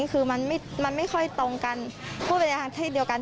คือมันไม่ค่อยตรงกันพูดไปในทางเทศเดียวกัน